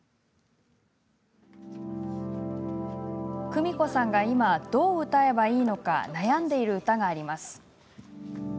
クミコさんが今、どう歌えばいいのか悩んでいる歌があります。